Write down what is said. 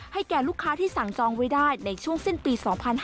แก่ลูกค้าที่สั่งจองไว้ได้ในช่วงสิ้นปี๒๕๕๙